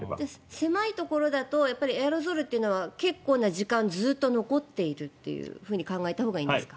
狭いところだとエアロゾルは結構な時間ずっと残っていると考えたほうがいいんですか？